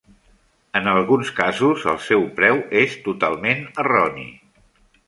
En alguns casos, el seu preu és totalment erroni.